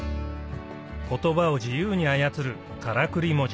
言葉を自由に操るからくり文字